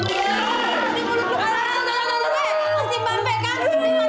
masih mampek kan